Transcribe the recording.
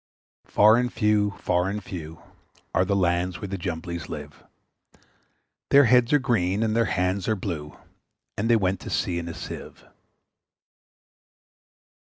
Far and few, far and few, Are the lands where the Jumblies live; Their heads are green, and their hands are blue, And they went to sea in a Sieve.